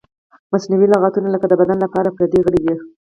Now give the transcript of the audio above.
مصنوعي لغتونه لکه د بدن لپاره پردی غړی وي.